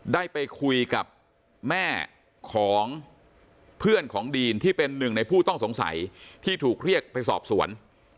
ได้ไปคุยกับแม่ของเพื่อนของดีนที่เป็นหนึ่งในผู้ต้องสงสัยที่ถูกเรียกไปสอบสวน